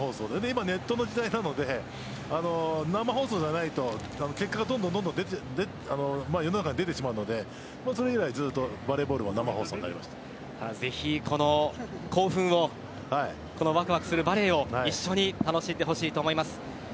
今、ネットの時代なので生放送じゃないと結果が世の中に出てしまうのでそれ以来、ずっとバレーボールはぜひ、この興奮をワクワクするバレーを一緒に楽しんでほしいと思います。